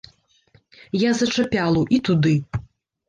Я за чапялу, і туды.